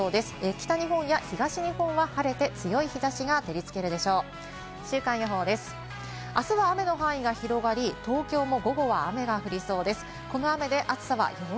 北日本や東日本は晴れて強い日差しが照りつけるでしょう。